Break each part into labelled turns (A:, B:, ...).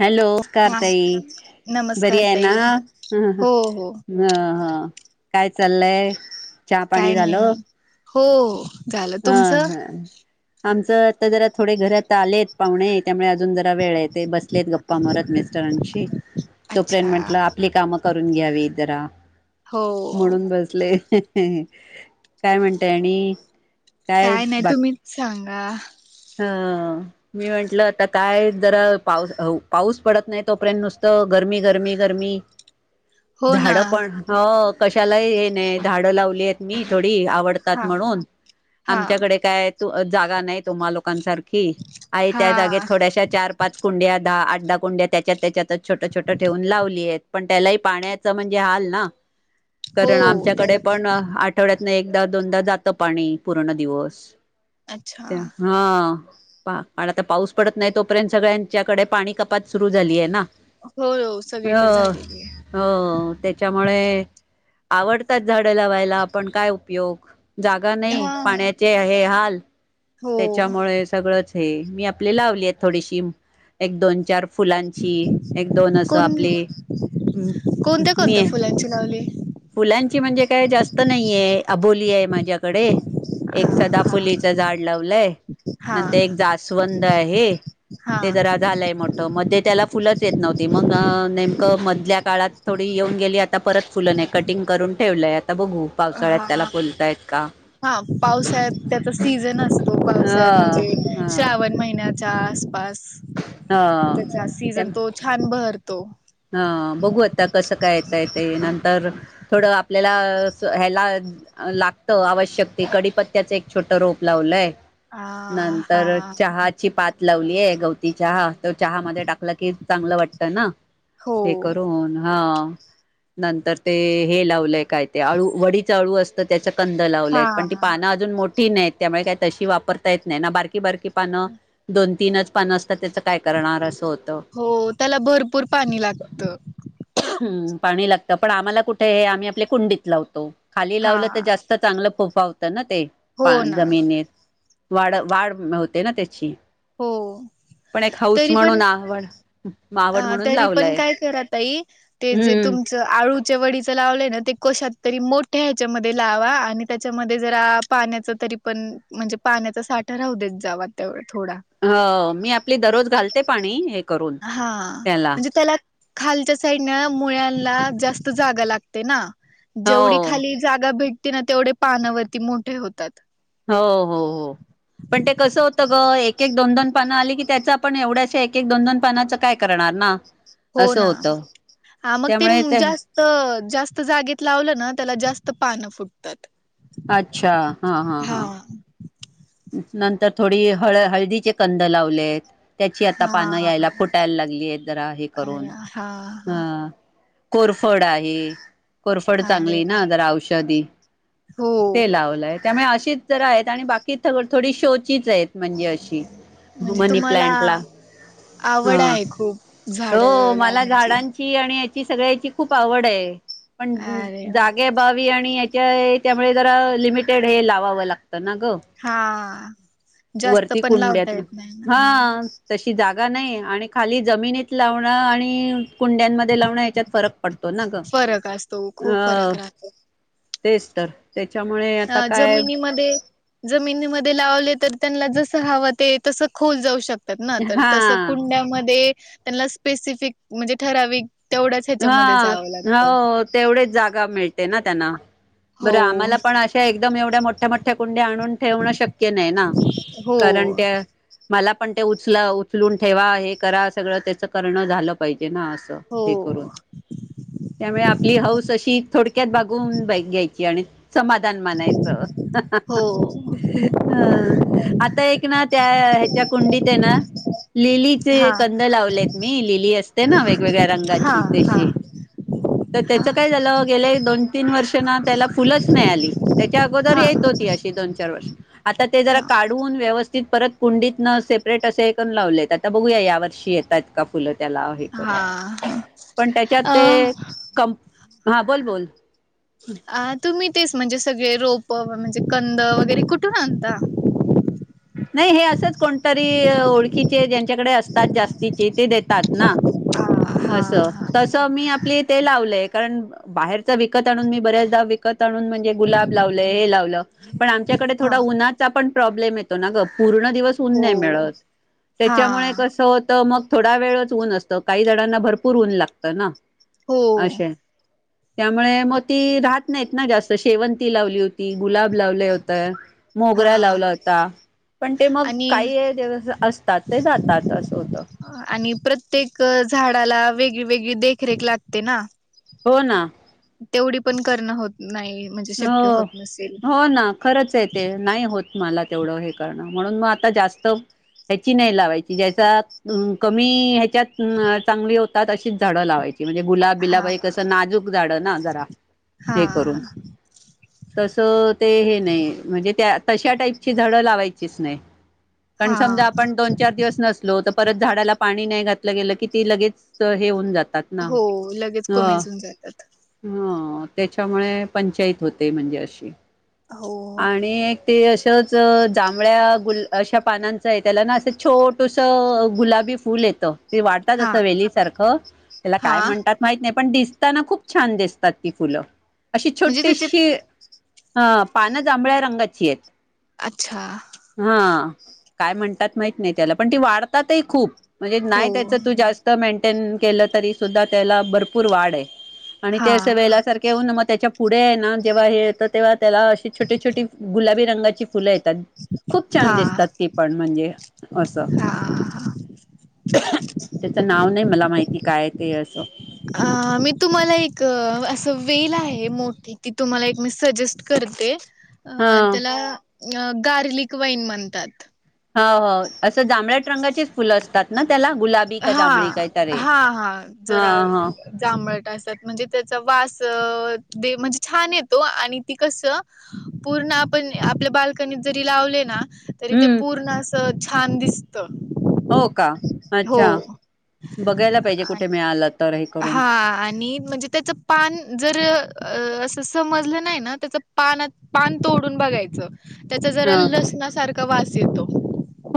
A: Hello
B: हा
A: कारतााई बरी
B: नमस्कार
A: आहे
B: ताई
A: ना ह
B: हो हो
A: हा काय चाललंय चहा पाणी
B: काय नाही
A: झालं
B: मी हो झालं
A: हा
B: तुमचं
A: हा आमचं आता जरा थोडे घरात आलेत पाहुणे त्यामुळे अजून जरा वेळ येते बघ कलेत गप्पा मारत मेस्टॉरंटची तोपर्यंत
B: अच्छा
A: म्हटलं आपली कामं करून घ्यावी जरा
B: हो
A: म्हणून बसले. काय म्हणतय आणि
B: काय नाही तुम्हीच सांगा.
A: हा. मी म्हंटलं आता काय जरा पाऊस पाऊस पडत नाही तोपर्यंत नुसतं गरमी गरमी गरमी
B: हो ना
A: झाड पण ह कशालाही ये नाही झाडं लावली. मी थोडी आवडतात
B: हा
A: म्हणून
B: हा
A: आमच्याकडे काय त जागा नाही तुम्हा लोकांसारख. की आई
B: हा
A: त्या जागेत थोड्याशा चार पाच कुंड्या दहा आठ दहा कुंड्या त्याच्यात त्याच्यातच छोटं छोटं ठेवून लावली आहेत पण त्यालाही पाण्यात.
B: हो
A: म्हणण आमच्याकडं
B: त्या
A: पण कारण आठवड्यातन एकदा दोनदा जातं पाणी पूर्ण दिवस-
B: अच्छा.
A: हा. पण आता पाऊस पडत नाही तोपर्यंत सगळ्यांच्याकडे पाणी कपात सुरु झाली आहे ना.
B: हो हो सगळीकडे
A: हो
B: झालेली आहे.
A: हो त्याच्यामुळे आवडतात झाडं लावायला आपण काय उपयोग जागा
B: आहे
A: नाही
B: हा
A: पाण्याचे आहे हाल.
B: हो
A: त्याच्यामुळे सगळंच हे मी आपले लावली आहेत थोडीशी एक दोन चार फुलांची एक दोन असं
B: कोण
A: आपले मी
B: लंच लावली.
A: फुलांची म्हणजे काय जास्त नाहीे अबोली आहे माझ्याकडे एक
B: हा
A: सदा
B: हा
A: फुलीचं झाड लावलंय
B: हा
A: नंतर एक जास्वंद आहे. ते
B: हा
A: जरा झालंय मोठं मध्ये त्याला फुलच येत नव्हती मग नेमकं मधल्या काळात थोडी येऊन गेली आता परत फुलं नाही कटिंग करून ठेवलंय आता बघू पावसाळ्यात त्याला
B: हा
A: फुलताय.
B: हा पावसा्यात त्याचा सीझन असतो पावसाळ्यात
A: ह
B: म्हणजे
A: ह
B: श्रावण महिन्यात च्या आसपास त्याचा सीझन तो छान बहरतो.
A: हा बघू आता कसं काय येत य ते नंतर थोडं आपल्याला ह्याला लागतं आवश्यक ते कडीपत्त्याच एक छोट रोप लावलंय.
B: आ हा
A: नंतर चहाची पात लावलीय गवती चहा. तो चहामध्ये टाकला की चांगलं वाटतं ना.
B: हो
A: हे करून हा नंतर ते हे लावलंय काय ते आळू वडीच आळू असत. त्याचा कंद
B: हा
A: लावल्यात पण ती पानं अजून मो ठी नाही आहेत त्यामुळे काय तशी वापरता येत नाही ना बारकी बारकी पानं. दोन तीनच पान वाजता त्याचं काय करणार असं होतं.
B: हो त्याला भरपूर पाणी लागतं.
A: ह पाणी लागतं पण आम्हाला कुठे हे आम्ही आपल्या कुंडीत लावतो खाली
B: हा
A: लावलं तर जास्त चांगलं फोफा होतं ना ते
B: हो
A: पा
B: ना
A: जमिनीत वाढ वाढ होते ना त्याची
B: हो
A: पण एक हौस
B: तरी पण
A: म्हणून आवड.
B: अ
A: मावड म्हणून
B: तरी पण
A: लावलाय
B: काय करत आई ते जे
A: हम्म.
B: तुम आळूच्या वडीचं लावले ना ते कोशात तरी मोठ्या ह्याच्यामध्ये लावा आणि त्याच्यामध्ये जरा पाण्याचा तरी पण म्हणजे पाण्याचा साठा राहू देच जाव ते थोडा
A: ह मी आपली दररोज घालते पाणी करून
B: हा
A: त्याला
B: म्हणजे त्याला खालच्या साईडन मुळना जास्त जागा लागते ना जेवढी
A: हो.
B: खाली. जागा भेटते ना तेवढे पानावरती मोठे होतात.
A: हो हो हो. पण ते कसं होतं ग एक एक दोन दोन पान आली की त्याच आपण एवढ्याशा एक एक दोन दोन पानाचं काय? णार ना
B: हो
A: अस
B: ना.
A: होत
B: हा मग ते
A: त्यामुळे
B: जास्त जास्त जागेत लावलं ना त्याला जास्त पानं फुटत
A: अच्छा हा हा हा नंतर थोडी हळ हळदीचे कंद लावलेत त्याची आता पानं
B: हा
A: यायला फुटायला लागलीय जरा हे
B: अरे
A: करून
B: हा
A: अ
B: हा
A: कोरफड आहे कोरफड
B: अरे
A: चांगली
B: वा
A: ना जरा औषधी
B: हो.
A: ते लावलायत त्यामुळे अशीच जरा आहेत आणि बाकी थोडी शोचीच आहेत म्हणजे अशी
B: म्हणजे
A: मनी
B: तुम्हाला
A: प्लांटला
B: आवड
A: ह
B: आहे खूप झाड
A: हो मला
B: लावण्याची.
A: झाडां या सगळ्या खूप आवड पण
B: अरे वा
A: वी आणि याच्या त्यामुळे जरा लिमिटेड हे लावावं लागतं ना ग
B: हा जास्त
A: वरती
B: पण लावता
A: कुंड्यात ना
B: येत नाही
A: हा. तशी जागा नाही आणि खाली जमिनीत लावणं आणि कुंड्यांमध्ये लावणं ह्याच्यात फरक पडतो ना ग
B: फरक असतो खूप फरक
A: अ.
B: राहतो.
A: तेच तर त्याच्यामुळे आता काय
B: मध्ये जमिनीमध्ये लावले तर त्यांना जस हवं ते तसं खोल जाऊ शकत तर
A: हा
B: तस कुंड्यामध्ये त्यांना स्पेसिफिक म्हणजे ठराव तेवढंच ह्याच्यामध्ये जावं लागतं
A: तेवढेच जागा मिळते ना त्यांना बरं
B: हो.
A: आम्हाला पण अशा एकदम एवढ्या मोठ्या मोठ्या कुंड्या आणून ठेवणं शक्य नाही ना
B: हो
A: कारण त्या मला पण ते उचल उचलून ठेवा हे करा सगळं त्याचं करणं झालं पाहिजे ना असं हे
B: हो
A: करून त्यामुळे आपली हौस अशी थोडक्यात बागून घ्यायची आणि समाधान मानायचं
B: हो
A: ह आता एक ना त्या ह्याच्या कुंडीत आहे ना लिलीचे
B: हा
A: कंद लावलेत मी लिली असते ना वेगवेगळ्या रंगाचे
B: हा हा
A: तर
B: हा
A: त्याचं काय झालं गेले दोन तीन वर्ष ना त्याला फुलच नाही आली त्याच्या अगोदर
B: हा
A: येत होती अशी दोन चार वर्ष आता ते जरा
B: हा
A: काढून व्यवस्थित परत कुंडीत न सेपरेट असे हे करून लावलेत तर बघूया या वर्षी येतय का फुलं त्याला हे
B: हा
A: करून
B: हा
A: पण त्याच्यात
B: अ
A: ते क हा बोल बोल
B: अ तुम्ही तेच म्हणजे सगळे रोप म्हणजे कंद वगैरे कुठून आणता
A: नाही हे असंच कोणतरी ओळखीचे ज्यांच्याकडे असतात जास्तीचे ते देतात ना
B: हा हा
A: असं
B: हा
A: तस मी आपली ते लावलंय कारण बाहेरच विकत आणून मी बऱ्याचदा विकत आणून म्हणजे गुलाब लावलं हे लावलं पण
B: हा
A: डे ो उचा पण प्रब्लेमो पूर्ण दिवस ून
B: हो
A: मित
B: हा
A: त्याच्यामुळे कस तर मग थोडा वेळच ऊन असतं काही जणांना भरपूर ऊन लागतं ना
B: हो
A: असे त्यामुळे मग ती राहत नाहीत ना जास्त शेवंती लावली होती गुलाब लावले होतं मोगरा
B: हा
A: लावला होता पण ते मग
B: आणि
A: काही [inaudible] असतात ते जातात असं होतं
B: आणि प्रत्येक झाडाला वेगळी वेगळी देखरेख लागते ना
A: हो ना
B: तेवढी पण करणं होत नाही म्हणजे शक्य
A: हो
B: होत नसेल.
A: हो ना खरंच आहे ते नाही होत मला तेवढं हे करणं म्हणून मग आता जास्त ह्याची नाही लावायची ज्याचा अ कमी ह्याच्यात चांगली होतात अशीच झाडं लावायची म्हणजे गुलाब बिलाब
B: हा
A: हे कसं नाजूक झाडं ना जरा
B: हा
A: हे करून तस ते हे नाही म्हणजे त्या तशा टाईपची झाडं लावायचीच नाही पण
B: हा
A: समजा आपण दोन चार दिवस नस लो तर परत झाडाला पाणी नाही घातलं गेलं की ती लगेच हे होऊन जातात. ना
B: हो लगेच कोमेजून जातात.
A: हा त्याच्यामुळे पंचायत होते म्हणजे अशी
B: हो
A: आणि ते असंच जांभळ्या गुल अशा पानांचं आहे त्याला ना असं छोटूस गुलाबी फूल येत. ते वाढतात
B: हा
A: असं वेली सारखं त्याला
B: हा
A: काय म्हणतात माहित नाही पण दिसताना खूप छान दिसतात ती फुलं. अशी
B: म्हणजे त्याचे
A: छोटीशी अह पानं जांभळ्या रंगाची आहेत
B: अच्छा.
A: हा काय म्हणतात माहित नाही त्याला, पण ती वाढतातही खूप. म्हणजे
B: हो
A: नाही त्याच तू जास्त मेंटेन केलं तरी सुद्धा त्याला भरपूर वाढ आहे. आणि ते
B: हा
A: अस वेला सारखे येऊन म त्यांच्या पुढे आहे ना जेव्हा हे येतं तेव्हा त्याला अशी छोटे छोटी गुलाबी रंगाची फुलं येतात. खूप छान
B: हा
A: दिसतात ती पण म्हणजे असं त्याचं नाव नाही मला माहिती काय ते असं
B: अह मी तुम्हाला एक असं वेल आहे मोठी की तुम्हाला एक मी सजेस्ट करते
A: हा
B: अह त्याला गार्लिक वाईन म्हणतात.
A: हो हो असं जांभळट रंगाचीच फुलं असतात ना त्याला गुलाब
B: हा हा हा
A: हा
B: जरा
A: हा
B: जांभळट असतात म्हणजे त्याचा वास म्हणजे छान येतो आणि ती कसं पूर्ण आपण आपल्या बाल्कनीत जरी लावले ना तरी ते
A: हम्म
B: पूर्ण असं छान दिसत.
A: हो का,
B: हो
A: अच्छा बघायला पाहिजे
B: आ-
A: कुठे मिळालात
B: हा आणि म्हणजे त्याचं पान जर असं अह समजलं नाही ना त्याच पान पान तोडून बघायचं त्याचा जरा
A: ह
B: लसणासारखा वास येतो.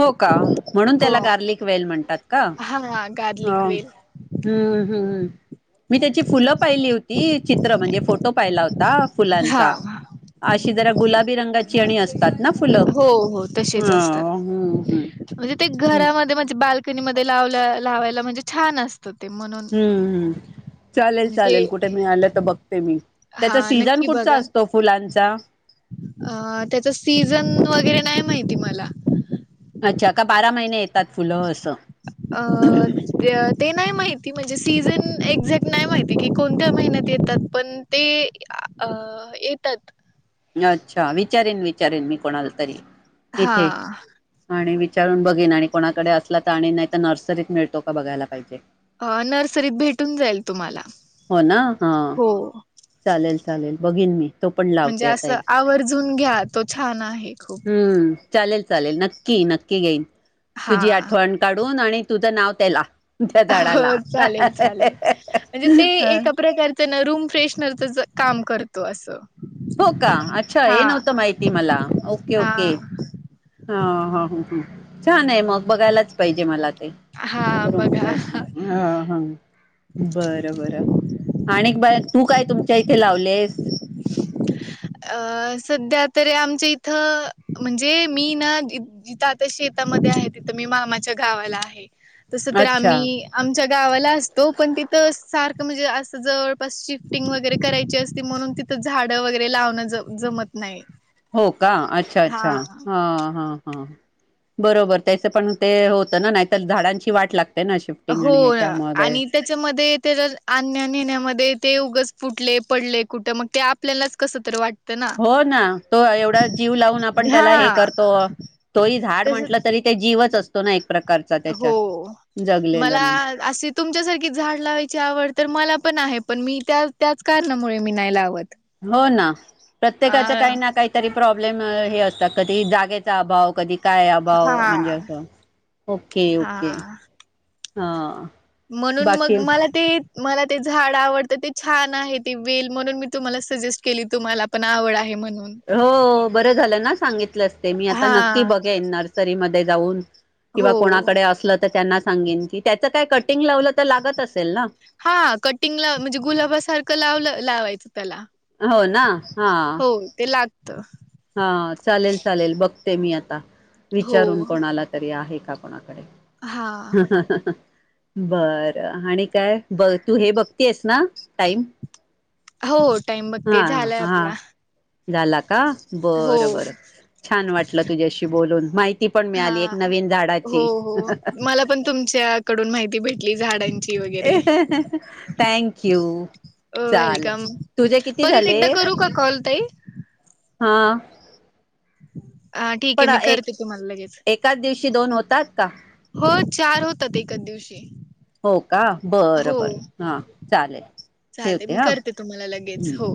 A: हो का म्हणून
B: हो
A: त्याला गार्लिक वेल म्हणतात का.
B: हा
A: हो.
B: गार्लिक वेल
A: हम्म हम्म. मी त्याची फुलं पाहिली होती चित्र म्हणजे फोटो पाहिला होता
B: हा
A: फुलांचा अशी जरा गुलाबी रंगाची आणि असतात ना फुलं
B: हो हो तशीच
A: हा
B: असतात
A: हम्म हम्म
B: म्हणजे ते घरां मधे म्हणजे बाल्कनी मध्ये लावल लावायला म्हणजे छान असतं ते म्हणून
A: हम्म चालेल
B: म्हणजे
A: चालेल
B: ते
A: कुठे मिळालं तर बघते मी. त्याचा
B: हा
A: सीझन कुठचा असतो फुलांचा?
B: अह त्याचा सीझन वगैरे नाही माहिती मला.
A: अच्छा का बारा महिने येतात फुलं असं
B: अह ते नाही माहिती म्हणजे सीझन एक्झॅक्ट नाही माहि ती की कोणत्या महिन्यात येतात पण ते अह येतात
A: अच्छा विचारेन विचारेन मी कोणाला तरी इथे.
B: हा
A: आणि विचारून बघीन आणि कोणाकडे असलं तर आणि नाही तर नर्सरीत मिळतो का बघायला पाहिजे
B: अह नर्सरीत भेटून जाईल तुम्हाला
A: हो ना हा
B: हो.
A: चालेल चालेल बघीन मी तो पण लाव
B: ते असं आवर्जून घ्या तो छान आहे खूप.
A: हम्म चालेल चालेल नक्की नक्की घेईन
B: हा
A: तुझी आठवण काढून आणि तुझं नाव त्याला त्या
B: हो
A: झाडाला
B: चालेल चालेल म्हणजे ते न रूम फ्रेशनरचच काम करत असं
A: हो का अच्छा
B: हा
A: हे नव्हतं माहिती मला. ओके
B: हा.
A: ओके. हा, ह, ह, छान आहे मग बघायलाच पाहिजे मला ते.
B: हा
A: रूम
B: बघा
A: फ्रेशणार हा, हा, बरं, बर. आणि बाळा तू काय तुमच्या इथे लावलेस?
B: अ सध्या तरी आमच्या इथं म्हणजे मी ना जिथं आता शेतामध्ये आहे तिथं मी मामाच्या गावाला आहे तस तर
A: अच्छा.
B: आम्ही आमच्या गावाला असतो पण तिथं सारखं म्हणजे असं जवळपास शिफ्टिंग वगैरे करायची असती म्हणून तिथ तर झाडं वगैरे लावण जम जमत नाही.
A: हो का अच्छा, अच्छा, हा, हा, हा. बरोबर त्याच पण ते होतं ना नाहीतर झाडांची वाट लागते ना शिफ्टिंग
B: हो
A: आणि
B: ना
A: ह्याच्यामध्ये.
B: आणि त्याच्यामध्ये त्याला आणण्या नेण्यामध्ये ते उगच फुटले पडले कुठ मग ते आपल्यालाच कसं तरी वाट
A: हो ना तो एवढा जीव लावून आपण त्याला हे
B: हा
A: करतो तोही झाड म्हटलं
B: तसच
A: तरी ते जीवच असतो ना एक प्रकारचा
B: हो
A: त्याच्यात जगलेलं
B: मला
A: म्हण.
B: अशी तुमच्यासारखी झाड लावायची आवड तर मला पण आहे पण मी त्या त्याच कारणामुळे मी नाही लावत.
A: हो ना प्रत्येकाच्या
B: अ
A: काही ना काही तरी प्रॉब्लेम हे असतात कधी जागेचा अभाव, कधी काय अभाव
B: हा
A: म्हणजे असं ओके,
B: हा
A: ओके हा.
B: म्हणून मग
A: बाकी
B: मला ते मला ते झाड आवडतं ते छान आहे ते वेल म्हणून मी तुम्हाला सजेस्ट केली तुम्हाला पण आवड आहे म्हणून.
A: हो बरं झालना सांगितलं असते मी आता
B: हा
A: नक्की बघेन नर्सरीमध्ये जाऊन. किंवा
B: हो
A: कोणाकडे असलं तर त्यांना सांगेन की त्याचं काय कटिंग लावलं तर लागत असेलना?
B: हा कटिंगला म्हणजे गुलाबासारखं लावल लावायचं त्याला
A: हो ना हा
B: हो ते लागत.
A: हा चालेल, चालेल बघते मी आता
B: हो
A: विचारून कोणाला तरी आहे का
B: हा
A: कोणाकड बर आणि काय ब तू हे बघती आहेसना टाईम?
B: हो टाईम
A: हा, हा, झाला का
B: हो
A: बर, बर. छान वाटलं तुझ्याशी बोलून माहिती पण
B: हा
A: मिळाली एक नवीन
B: हो
A: झाडाची.
B: हो मला पण तुमच्याकडून माहिती भेटली झाडांची. वगैरे
A: थँक्यू.
B: अ वेलकम परत एकदा करू का कॉल ताई?
A: हा.
B: हा ठीक आहे मी करते तुम्हाला लगेच.
A: त्याच दिवशी दोन होतात का?
B: हो चार होतात एकाच दिवशी.
A: हो का बरं
B: हो
A: बरं हा चालेल
B: चाले
A: ठेवते
B: मी
A: हा
B: करते तुम्हाला लगेच
A: हम्म
B: हो.